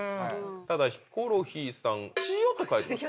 ただヒコロヒーさん「塩」と書いてます？